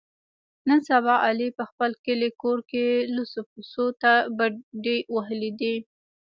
نن سبا علي په خپل کلي کور کې لوڅو پوڅو ته بډې وهلې دي.